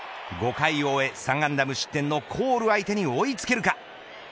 ５回を終え３安打無失点のコール相手に追いつけるか。